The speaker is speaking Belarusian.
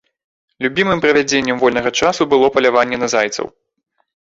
Любімым правядзеннем вольнага часу было паляванне на зайцаў.